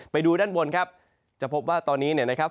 ไปดูด้านบนครับจะพบว่าตอนนี้เนี่ยนะครับ